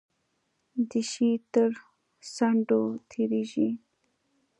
د شی تر څنډو تیریږي.